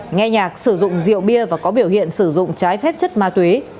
nghe nhạc sử dụng rượu bia và có biểu hiện sử dụng trái phép chất ma túy